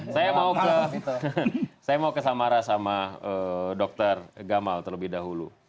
saya mau kesamara sama dr gamal terlebih dahulu